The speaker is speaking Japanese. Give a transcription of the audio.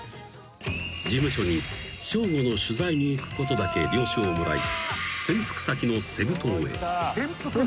［事務所にＳＨＯＧＯの取材に行くことだけ了承をもらい］